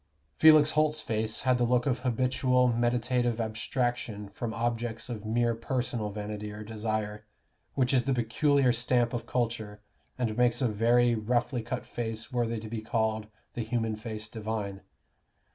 Felix Holt's face had the look of habitual meditative abstraction from objects of mere personal vanity or desire, which is the peculiar stamp of culture, and makes a very roughly cut face worthy to be called "the human face divine."